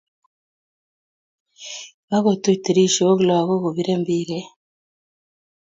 Kako toi tirishok lakok kipire mbiret